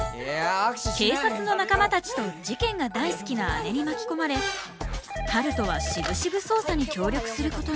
警察の仲間たちと事件が大好きな姉に巻き込まれ春風はしぶしぶ捜査に協力することに。